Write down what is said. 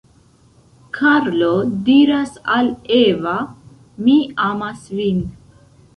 Karlo diras al Eva: Mi amas vin.